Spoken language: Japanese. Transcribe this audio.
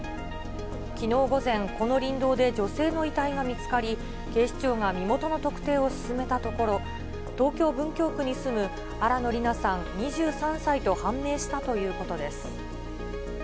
きのう午前、この林道で女性の遺体が見つかり、警視庁が身元の特定を進めたところ、東京・文京区に住む新野りなさん２３歳と判明したということです。